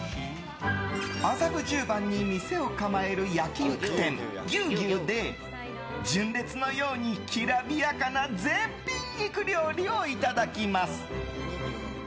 麻布十番に店を構える焼き肉店牛牛で純烈のように、きらびやかな絶品肉料理をいただきます。